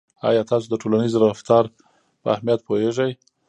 آیا تاسو د ټولنیز رفتار په اهمیت پوهیږئ.